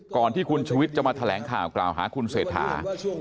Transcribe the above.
ก่อนที่คุณชุวิตจะมาแถลงข่าวกล่าวหาคุณเศรษฐา